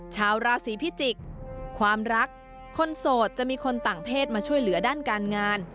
ชาวราศีพิจิกษ์ความรักคนโสดจะมีคนต่างเพศมาช่วยเหลือด้านการงาน